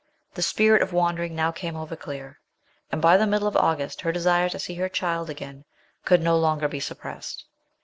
The spirit of wandering now came over Claire, and by the middle of August her desire to see her child again could no longer be suppressed.